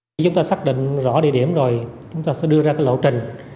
để chúng ta xác định rõ địa điểm rồi chúng ta sẽ đưa ra lộ trình